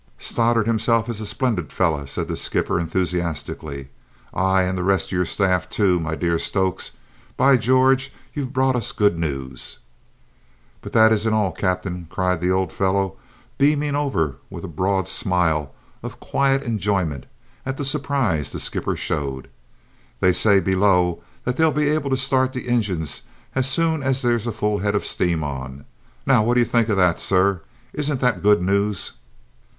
"Stoddart himself is a splendid fellow," said the skipper enthusiastically. "Aye, and the rest of your staff, too, my dear Stokes. By George, you've brought us good news!" "But that isn't all, cap'en," cried the old fellow, beaming over with a broad smile of quiet enjoyment at the surprise the skipper showed. "They say below that they'll be able to start the engines as soon as there's a full head of steam on! Now what do you think of that, sir? Isn't that good news?"